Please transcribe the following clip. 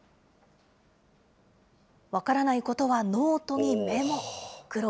分からないことはノートにメモ。